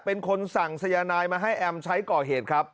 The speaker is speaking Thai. เป็นคนสั่งสัญญาณายน์มาให้แอมป์ใช้ก่อเหตุครับ